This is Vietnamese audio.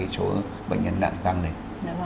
số bệnh nhân nặng tăng lên